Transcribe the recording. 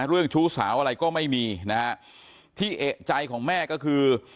ชู้สาวอะไรก็ไม่มีนะฮะที่เอกใจของแม่ก็คือ